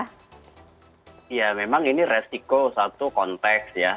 ya memang ini resiko satu konteks ya